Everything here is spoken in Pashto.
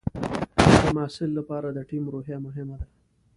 د محصل لپاره د ټیم روحیه مهمه ده.